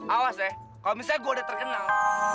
awas ya kalau misalnya gue udah terkenal